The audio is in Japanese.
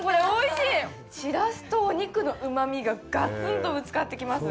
しらすとお肉のうまみがガツンとぶつかってきます。